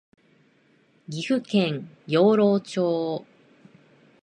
岐阜県養老町